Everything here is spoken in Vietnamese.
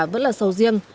vẫn là sầu riêng